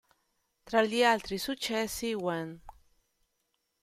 Tra gli altri successi, "When".